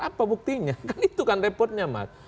apa buktinya kan itu kan repotnya mas